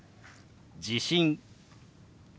「地震」。